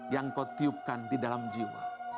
yang kau tiupkan di dalam jiwa